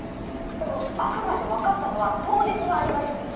でもあくまで分かったのは当日のアリバイですよね。